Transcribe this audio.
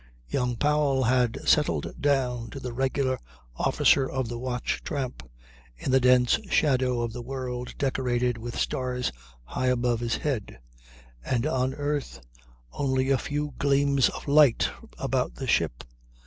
Young Powell had settled down to the regular officer of the watch tramp in the dense shadow of the world decorated with stars high above his head, and on earth only a few gleams of light about the ship.